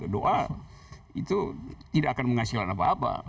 doa itu tidak akan menghasilkan apa apa